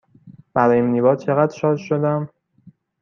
برای مینی بار چقدر شارژ شدم؟